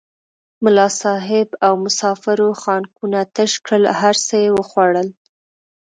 ملا صاحب او مسافرو خانکونه تش کړل هر څه یې وخوړل.